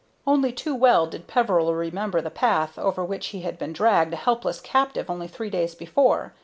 Only too well did Peveril remember the path over which he had been dragged a helpless captive only three days before.